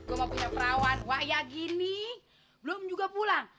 gue mau punya perawan wah ya gini belum juga pulang